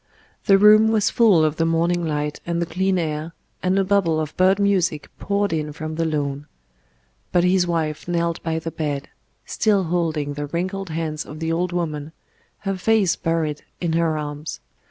The room was full of the morning light and the clean air, and a bubble of bird music poured in from the lawn. But his wife knelt by the bed, still holding the wrinkled hands of the old woman, her face buried in her arms.